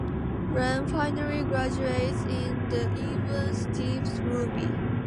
Ren finally graduates in "The Even Stevens Movie".